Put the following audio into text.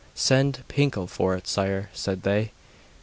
'Send Pinkel for it, Sire,' said they.